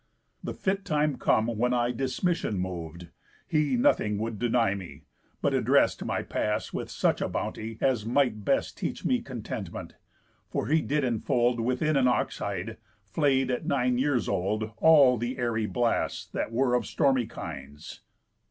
The fit time come when I dismission mov'd, He nothing would deny me, but addrest My pass with such a bounty, as might best Teach me contentment; for he did enfold Within an ox hide, flay'd at nine years old, All th' airy blasts that were of stormy kinds.